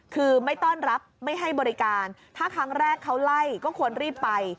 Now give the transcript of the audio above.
คือไม่ต้อนรับไม่ให้บริการถ้าครั้งแรกเขาไล่ก็ควรรีบไป